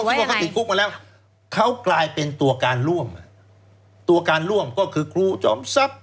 เพราะว่าเขาติดคุกมาแล้วเขากลายเป็นตัวการร่วมตัวการร่วมก็คือครูจอมทรัพย์